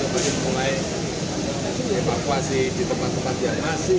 kemudian kita mulai evakuasi di tempat tempat yang masih